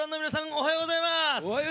おはようございまーす。